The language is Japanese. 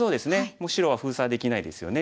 もう白は封鎖できないですよね。